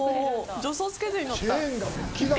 助走付けずに乗った！